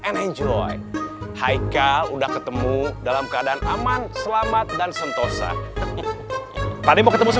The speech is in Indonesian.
called the quickari tertutup thing hai kau udah ketemu dalam keadaan aman selamat dan sentosa tadi about time